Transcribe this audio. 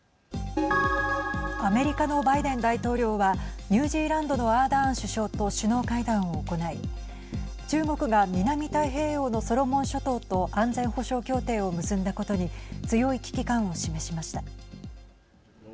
アメリカのバイデン大統領はニュージーランドのアーダーン首相と首脳会談を行い中国が南太平洋のソロモン諸島と安全保障協定を結んだことに強い危機感を示しました。